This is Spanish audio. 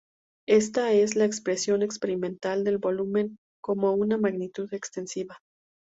Esta es la expresión experimental del volumen como una magnitud extensiva.